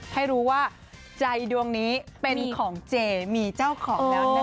ให้รู้ว่าใจดวงนี้เป็นของเจมีเจ้าของแล้วแน่